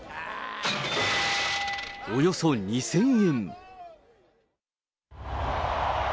およそ２０００円。